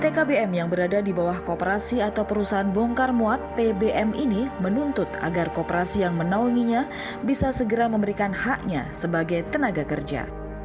tkbm yang berada di bawah kooperasi atau perusahaan bongkar muat pbm ini menuntut agar kooperasi yang menaunginya bisa segera memberikan haknya sebagai tenaga kerja